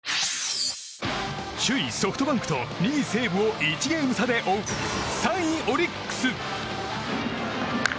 首位ソフトバンクと２位西武を１ゲーム差で追う３位、オリックス。